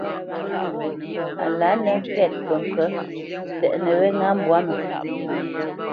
A lǎ nə̄ ŋkɛ̂t ŋkəŋkə̌t, tsɛʼnə wɛ́ ŋá mbwǎ mə.